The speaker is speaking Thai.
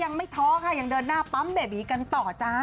ท้อค่ะยังเดินหน้าปั๊มเบบีกันต่อจ้า